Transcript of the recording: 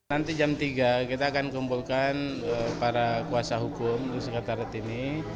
nanti jam tiga kita akan kumpulkan para kuasa hukum sekretariat ini